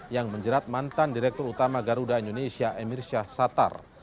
yang menjerat mantan direktur utama garuda indonesia emir syahsatar